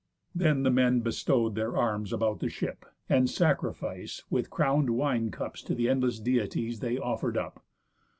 Then the men bestow'd Their arms about the ship, and sacrifice With crown'd wine cups to th' endless Deities They offer'd up.